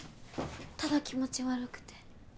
ただ気持ち悪くて。